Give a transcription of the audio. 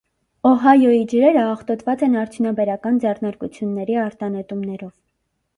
Օհայոյի ջրերը աղտոտված են արդյունաբերական ձեռնարկությունների արտանետումներով։